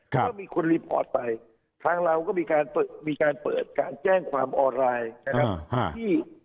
ก็มีคนรีพอร์ตไปทางเราก็มีการเปิดการแจ้งความออนไลน์นะครับ